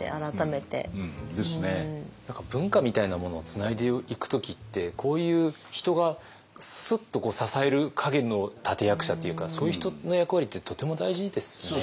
何か文化みたいなものをつないでいく時ってこういう人がスッと支える陰の立て役者っていうかそういう人の役割ってとても大事ですよね。